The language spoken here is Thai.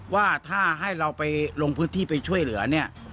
ว่าถ้าให้เราไปลงพื้นที่ไปช่วยเหลือเนี่ย